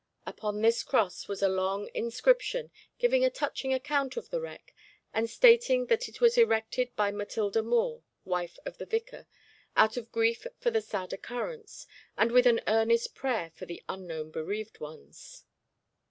Upon this cross was a long inscription giving a touching account of the wreck, and stating that it was erected by Matilda Moore, wife of the vicar, out of grief for the sad occurrence, and with an earnest prayer for the unknown bereaved ones.